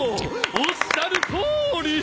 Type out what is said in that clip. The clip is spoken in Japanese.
おっしゃるとおり！